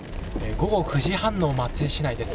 午後９時半の松江市内です。